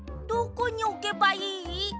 どこにおけばいい？